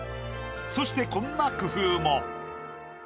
そしてこんな工夫も。